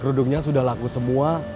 kerudungnya sudah laku semua